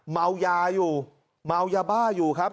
เมายาอยู่เมายาบ้าอยู่ครับ